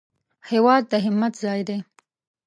هېواد د همت ځای دی